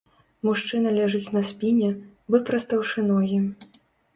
Мужчына ляжыць на спіне, выпрастаўшы ногі.